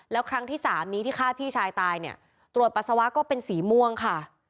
แล้วครั้งที่สามนี้ที่ฆ่าพี่ชายตายเนี่ยตรวจปัสสาวะก็เป็นสีม่วงค่ะ